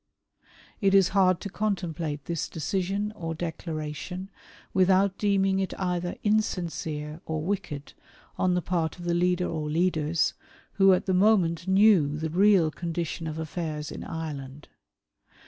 " It is hard to contemplate this decision or declaration, " without deeming it either insincere or wicked on the part of " the leader or leaders, who at the moment knew the real " condition of affairs in Ireland.